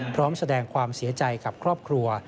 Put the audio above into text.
พร้อมแสดงความเสียใจกับครอบครัว